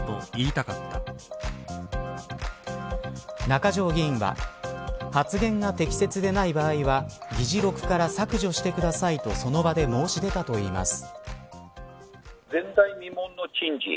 中条議員は発言が適切でない場合は議事録から削除してくださいとその場で申して出たといいます。